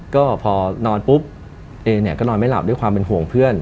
ก็พอนอนปุ๊บเอเนี่ยก็นอนไม่หลับด้วยความเป็นห่วงเพื่อน